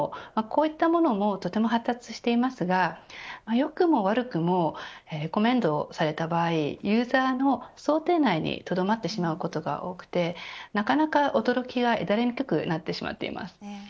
こういったものも発達していますが良くも悪くもレコメンドされた場合ユーザーの想定内にとどまってしまうことが多くてなかなか驚きが得られにくくなっています。